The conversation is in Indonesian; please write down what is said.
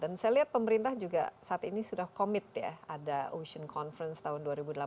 dan saya lihat pemerintah juga saat ini sudah komit ada ocean conference tahun dua ribu delapan belas